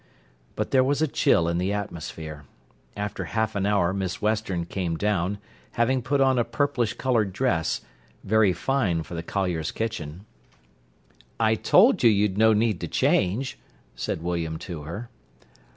But there was a chill in the atmosphere. After half an hour Miss Western came down, having put on a purplish coloured dress, very fine for the collier's kitchen. "I told you you'd no need to change," said William to her.